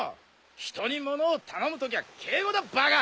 人に物を頼むときは敬語だバカ！